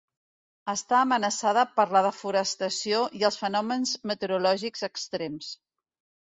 Està amenaçada per la desforestació i els fenòmens meteorològics extrems.